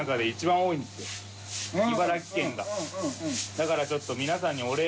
だからちょっと店主）